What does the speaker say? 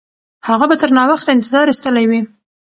هغه به تر ناوخته انتظار ایستلی وي.